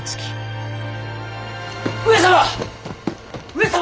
上様！